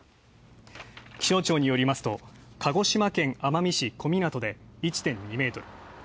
気象庁によりますと、鹿児島県・奄美市小湊で１．２メートル